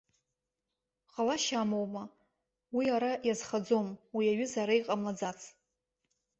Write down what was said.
Ҟалашьа амоума, уи ара иазхаӡом, уи аҩыза ара иҟамлаӡац.